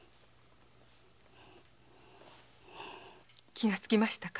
気がつきましたか。